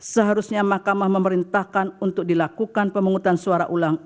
seharusnya mahkamah memerintahkan untuk dilakukan pemungutan suara ulang